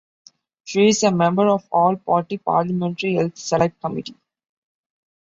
She is a member of the All-Party Parliamentary Health Select Committee.